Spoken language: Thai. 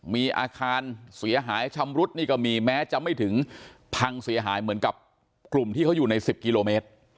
มีอาคารเสียหายชำรุดนี่ก็มีแม้จะไม่ถึงพังเสียหายเหมือนกับกลุ่มที่เขาอยู่ใน๑๐กิโลเมตร